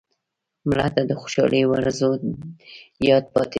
مړه ته د خوشحالۍ ورځو یاد پاتې دی